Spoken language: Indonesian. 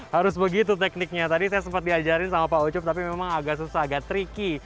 harus begitu tekniknya tadi saya sempat diajarin sama pak ucup tapi memang agak susah agak tricky